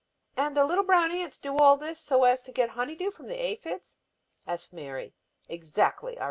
"And the little brown ants do all this so as to get honey dew from the aphids?" asks Mary. "Exactly," I reply.